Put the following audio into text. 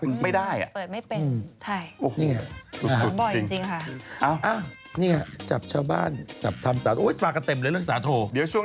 มันไม่ได้อ่ะเปิดไม่เป็น